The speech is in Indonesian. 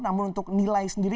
namun untuk nilai sendiri